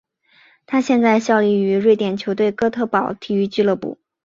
他现在效力于瑞典球队哥特堡体育俱乐部。